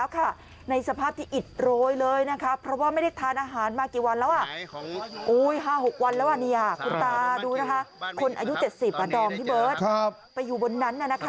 คนอายุ๗๐ดองที่เบิ้ด